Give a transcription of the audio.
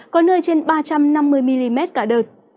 có nơi trên ba trăm năm mươi mm cả đợt